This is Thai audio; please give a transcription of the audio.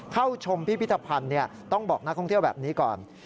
เข้าชมพิพิธภัณฑ์ต้องบอกนักท่องเที่ยวแบบนี้ก่อน